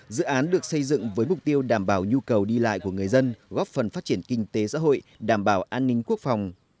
dự án được xây dựng với mục tiêu đảm bảo nhu cầu đi lại của người dân góp phần phát triển kinh tế xã hội đảm bảo an ninh quốc phòng